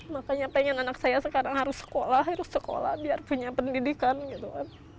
makanya pengen anak saya sekarang harus sekolah harus sekolah biar punya pendidikan gitu kan